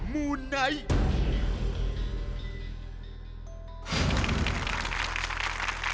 มูไนท์